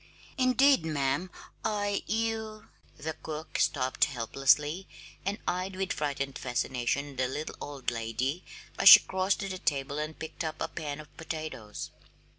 "Indeed, ma'am, I you " The cook stopped helplessly, and eyed with frightened fascination the little old lady as she crossed to the table and picked up a pan of potatoes.